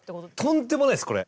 とんでもないですこれ。